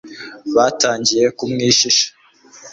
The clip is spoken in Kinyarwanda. batangiye kumwishisha